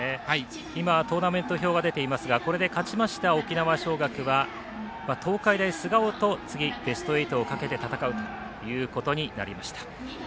トーナメント表が出ていますが勝ちました沖縄尚学は東海大菅生と次ベスト８をかけて戦うということになりました。